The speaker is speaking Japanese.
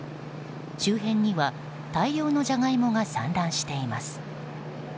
周辺には大量のジャガイモが散乱しています。